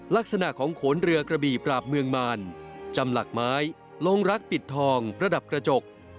ลักษณะของโขนเรือกระบี่ปราบเมืองมารจำหลักไม้ลงรักปิดทองประดับกระจก